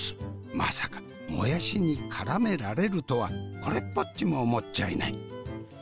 まさかもやしにからめられるとはこれっぽっちも思っちゃいない。